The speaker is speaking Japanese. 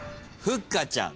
ふっかちゃん。